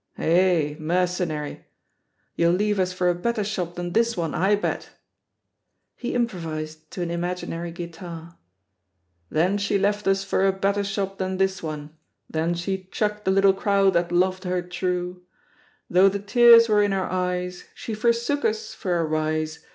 Yah^ mercenary I You'll leave us for a better shop than this one, I betl" He improvised, to an im aginary guitar: ''Then she left us for a better shop than this one. Then she chucked the little crowd that loved her tme; Though the tears were in our eyes. She forsook us for a rise.